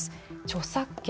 著作権。